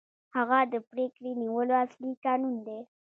هغه د پرېکړې نیولو اصلي کانون دی.